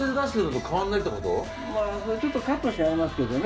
ちょっとカットしてありますけどね。